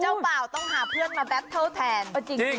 เจ้าเป่าต้องหาเพื่อนมาแบตเท่าแทน